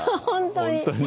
本当に。